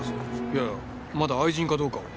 いやまだ愛人かどうかは。